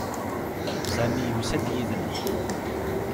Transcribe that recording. Sami yusa-d yid-neɣ.